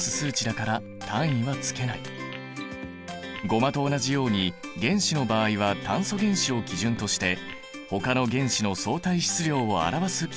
ゴマと同じように原子の場合は炭素原子を基準としてほかの原子の相対質量を表す決まりだ。